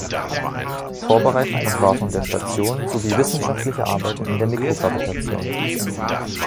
Vorbereitung und Wartung der Station sowie wissenschaftliche Arbeiten in der Mikrogravitation.